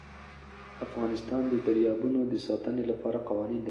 افغانستان د دریابونه د ساتنې لپاره قوانین لري.